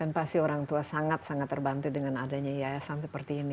dan pasti orang tua sangat sangat terbantu dengan adanya yayasan seperti ini ya